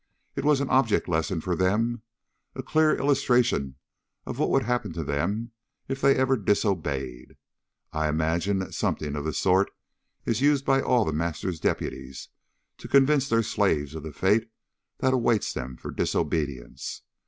It was an object lesson for them, a clear illustration of what would happen to them if they ever disobeyed. I imagine that something of the sort is used by all The Master's deputies to convince their slaves of the fate that awaits them for disobedience.